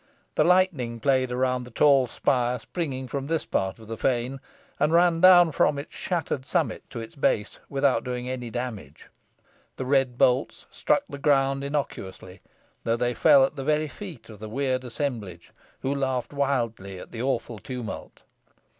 The lightning played around the tall spire springing from this part of the fane, and ran down from its shattered summit to its base, without doing any damage. The red bolts struck the ground innocuously, though they fell at the very feet of the weird assemblage, who laughed wildly at the awful tumult.